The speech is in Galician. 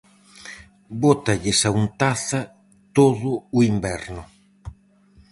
Bótalles a untaza todo o inverno.